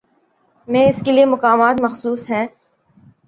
میں اس کے لیے مقامات مخصوص ہیں۔